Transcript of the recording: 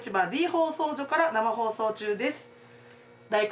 放送所から生放送中です。